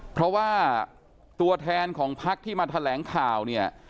เพราะว่าตัวแทนของพักที่มาแถลงข่าวเนี่ย